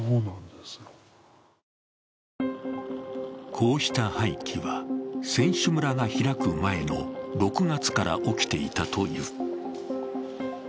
こうした廃棄は、選手村が開く前の６月から起きていたという。